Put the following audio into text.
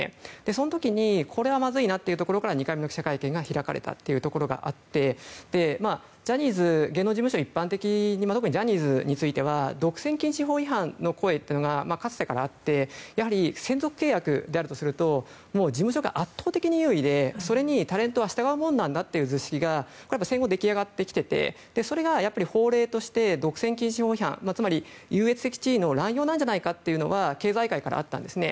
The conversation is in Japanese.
その時に、これはまずいなというところから２回目の記者会見が開かれたというところがあって芸能事務所は一般的に特にジャニーズについては独占禁止法違反の声がかつてからあって専属契約であるとすると事務所が圧倒的に優位でそれにタレントは従うものだという図式が出来上がってきててそれが法令として独占禁止法違反つまり、優越的地位の乱用ではないかというのは経済界からあったんですね。